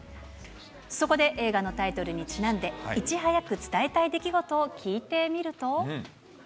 そこで映画のタイトルにちなんで、いち早く伝えたい出来事を聞いてみると。